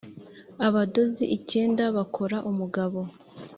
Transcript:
abadozi icyenda bakora umugabo